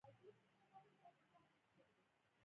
او هرڅه يې راته راوښوول.